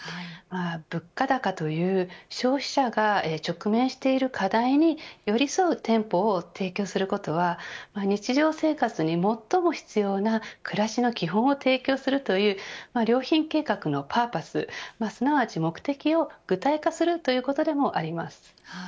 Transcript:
物価高という消費者が直面している課題に寄り添う店舗を提供することは日常生活に最も必要な暮らしの基本を提供するという良品計画のパーパスすなわち目的を具体化するということでもあります。